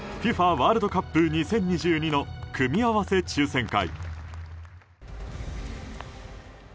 ワールドカップ２０２２の組み合わせ抽選会。